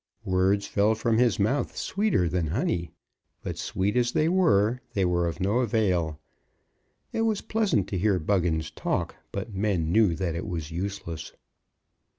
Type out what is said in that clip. Words fell from his mouth sweeter than honey; but sweet as they were they were of no avail. It was pleasant to hear Buggins talk, but men knew that it was useless.